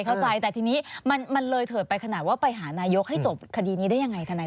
เข้าใจแต่ทีนี้มันเลยเถิดไปขนาดว่าไปหานายกให้จบคดีนี้ได้ยังไงทนาย